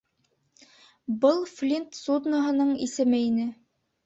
Был Флинт судноһының исеме ине.